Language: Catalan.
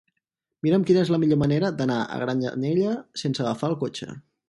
Mira'm quina és la millor manera d'anar a Granyanella sense agafar el cotxe.